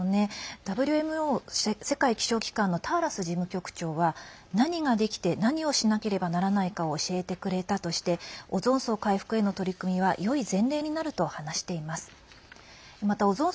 ＷＭＯ＝世界気象機関のターラス事務局長は何ができて何をしなければならないかを教えてくれたとしてオゾン層回復への取り組みはよい前例になると話しています。